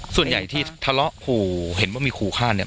ส่วนใหญ่ที่ทะเลาะขู่เห็นว่ามีขู่ฆ่าเนี่ย